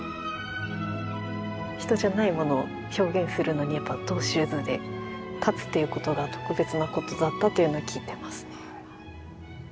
人じゃないものを表現するのにトゥ・シューズで立つということが特別なことだったというのは聞いてますね。